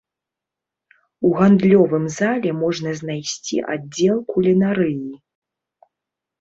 У гандлёвым зале можна знайсці аддзел кулінарыі.